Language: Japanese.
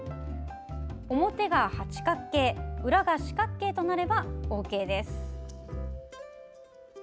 表が八角形、裏が四角形となればＯＫです。